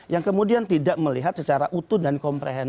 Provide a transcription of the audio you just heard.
yang kemudian tidak melihat secara utuh dan komprehensif